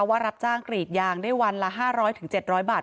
ว่ารับจ้างกรีดยางได้วันละ๕๐๐๗๐๐บาท